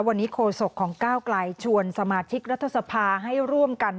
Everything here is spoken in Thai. วันนี้โคศกของก้าวไกลชวนสมาชิกรัฐสภาให้ร่วมกัน